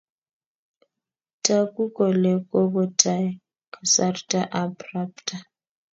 Taku kole kokotai kasarta ab robta